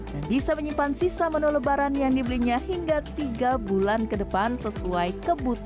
bisa menyimpan sisa menu lebaran yang dibelinya hingga tiga bulan ke depan sesuai kebutuhan